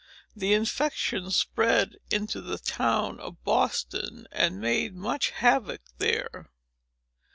The infection spread into the town of Boston, and made much havoc there.